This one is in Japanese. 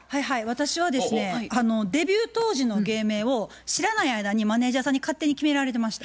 私はですねデビュー当時の芸名を知らない間にマネージャーさんに勝手に決められてました。